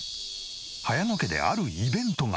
早野家であるイベントが。